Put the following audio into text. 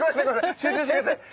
集中して下さい。